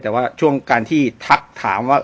แต่ว่าช่วงการที่ทักถามว่า